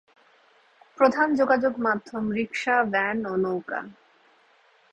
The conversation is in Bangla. প্রধান যোগাযোগ মাধ্যম রিক্সা, ভ্যান ও নৌকা।